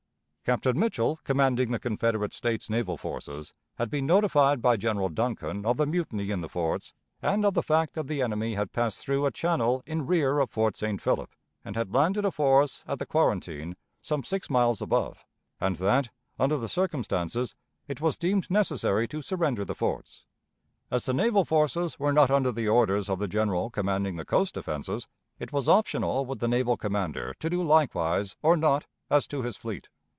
Captain Mitchell, commanding the Confederate States naval forces, had been notified by General Duncan of the mutiny in the forts and of the fact that the enemy had passed through a channel in rear of Fort St. Philip and had landed a force at the quarantine, some six miles above, and that, under the circumstances, it was deemed necessary to surrender the forts. As the naval forces were not under the orders of the general commanding the coast defenses, it was optional with the naval commander to do likewise or not as to his fleet.